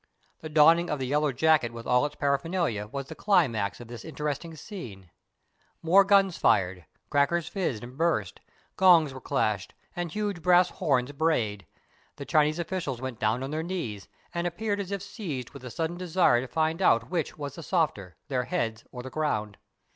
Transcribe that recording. The donning of the yellow jacket with all its paraphernalia was the climax of this interesting scene. More guns fired, crackers fizzed and burst, gongs were clashed, and huge brass horns brayed. The Chinese officials went down on their knees and appeared as if seized with a sudden desire to find out which was the softer, their heads or the ground.